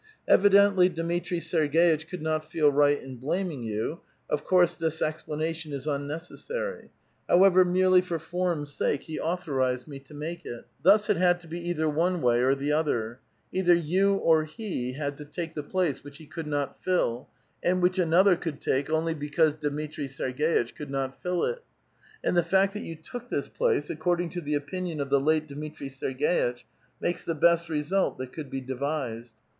Evidently Dmitri Serg^itch could not feel right in blaming you ; of course this explanation is unnec essary ; however, merely for form's sake, he authorized me to make it. Thus it had to be either one way or the otiier : either you or he had to take the place which he could not fill, find which another could take only because Dmitri 8erg6itch could not fill it ; and the fact that you took this place, ac coi*ding to the opinion of the late Dmitri Sergei tch makes the best result that could be devised.